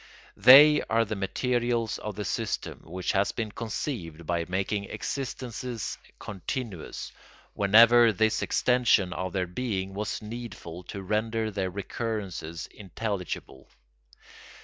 They are the materials of the system, which has been conceived by making existences continuous, whenever this extension of their being was needful to render their recurrences intelligible.